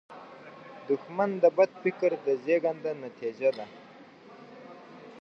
دښمن د بد فکر د زیږنده نتیجه ده